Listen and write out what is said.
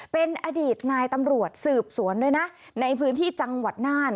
เป็นอดีตนายตำรวจสืบสวนด้วยนะในพื้นที่จังหวัดน่าน